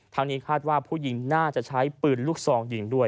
นี้คาดว่าผู้หญิงน่าจะใช้ปืนลูกซองยิงด้วย